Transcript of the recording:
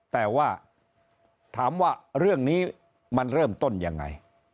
แต่ว่าถามว่าเรื่องนี้มันเริ่มต้นยังไง